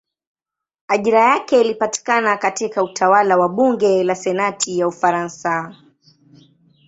Ajira yake ilipatikana katika utawala wa bunge la senati ya Ufaransa.